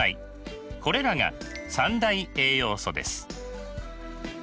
これらが三大栄養素です。